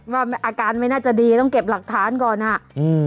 ว่าอาการไม่น่าจะดีต้องเก็บหลักฐานก่อนอ่ะอืม